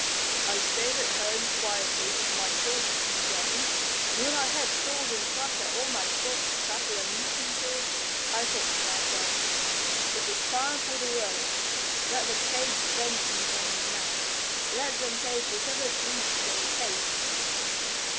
I stayed at home quietly with my produce and grain, and when I had sold in Prussia all my crops, cattle, and utensils, I thought to myself: 'It is time for the road. Let them take vengeance on me now, let them take whatever pleases their taste.'"